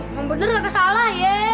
emang bener gak kesalah ye